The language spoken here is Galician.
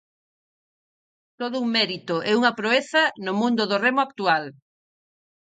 Todo un mérito e unha proeza no mundo do remo actual.